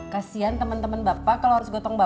kasian temen temen bapak kalau harus gotong bapak